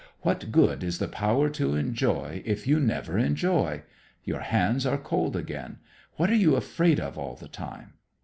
What good is the power to enjoy, if you never enjoy? Your hands are cold again; what are you afraid of all the time?